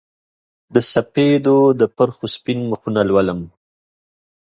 د سپیدو د پرخو سپین مخونه لولم